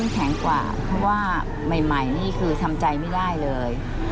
แข็งกว่าเพราะว่าใหม่นี่คือทำใจไม่ได้เลย